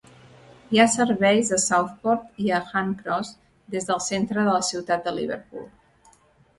Hi ha serveis a Southport i a Hunts Cross des del centre de la ciutat de Liverpool.